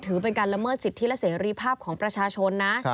ถือเป็นการละเมิดสิทธิและเสรีภาพของประชาชนนะ